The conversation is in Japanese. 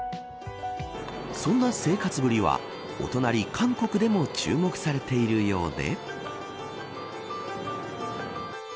そんな生活ぶりは、お隣韓国でも注目されているようで。